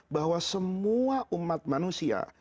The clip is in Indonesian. bahwa semua umat manusia